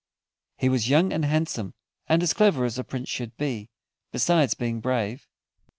He was young and handsome, and as clever as a Prince should be, besides being brave.